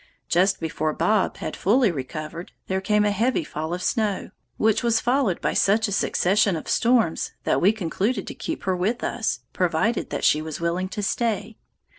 Just before "Bob" had fully recovered, there came a heavy fall of snow, which was followed by such a succession of storms that we concluded to keep her with us, provided she was willing to stay.